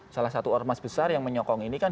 salah satu ormas besar yang menyokong ini kan